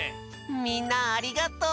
みんなありがとう！